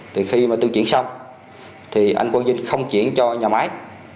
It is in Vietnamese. thì khi mà tôi chuyển xong thì anh quang dinh không chuyển cho nhà máy